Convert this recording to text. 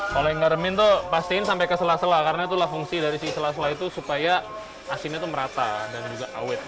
kalau yang di garamin tuh pastikan sampai kesela sela karena itulah fungsi dari si isi selasela itu supaya asinnya itu merata dan juga awet